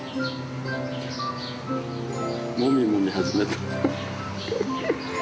もみもみ始めた。